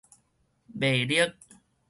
迷力